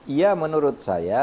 ya menurut saya